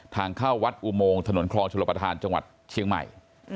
ทางเข้าวัดอุโมงถนนคลองชลประธานจังหวัดเชียงใหม่